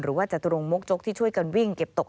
จตุรงมกจกที่ช่วยกันวิ่งเก็บตก